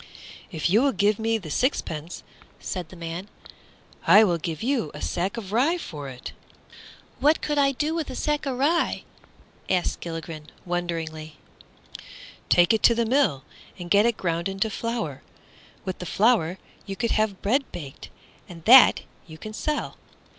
"If you will give me the sixpence," said the man, "I will give you a sack of rye for it." "What could I do with a sack of rye?" asked Gilligren, wonderingly. "Take it to the mill, and get it ground into flour. With the flour you could have bread baked, and that you can sell."